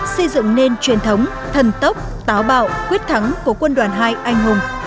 xây dựng nên truyền thống thần tốc táo bạo quyết thắng của quân đoàn hai anh hùng